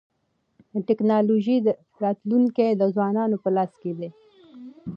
د ټکنالوژۍ راتلونکی د ځوانانو په لاس کي دی.